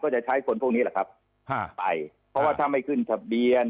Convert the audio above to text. จะใช้คนพวกนี้แหละครับไปเพราะว่าถ้าไม่ขึ้นทะเบียน